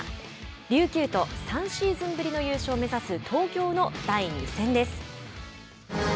琉球と３シーズンぶりの優勝を目指す東京の第２戦です。